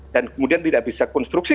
dan kemudian tidak bisa konstruksi